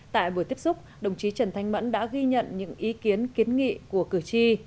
tại buổi tiếp xúc đồng chí trần thanh mẫn đã ghi nhận những ý kiến kiến nghị của cử tri